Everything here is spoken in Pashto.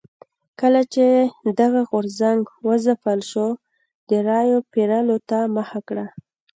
کله چې دغه غورځنګ وځپل شو د رایو پېرلو ته مخه کړه.